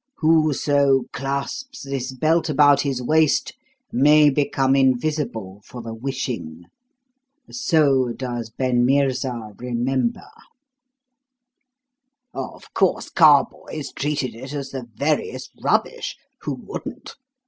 Whoso clasps this belt about his waist may become invisible for the wishing. So does ben Meerza remember.' "Of course, Carboys treated it as the veriest rubbish who wouldn't?